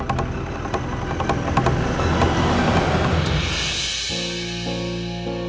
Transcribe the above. aku akan terminal rumah